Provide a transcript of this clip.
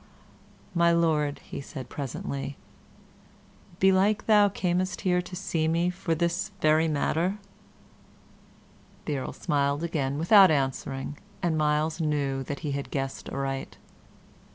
"My Lord," said he, presently "belike thou camest here to see me for this very matter?" The Earl smiled again without answering, and Myles knew that he had guessed aright.